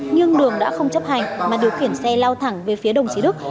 nhưng đường đã không chấp hành mà điều khiển xe lao thẳng về phía đồng chí đức